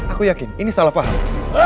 aku yakin ini salah faham